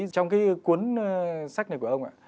trong cái cuốn sách này của ông